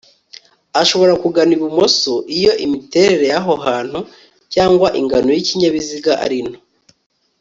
ashobora kugana ibumoso iyo imiterere y aho hantu cyangwa ingano y ikinyabiziga ari nto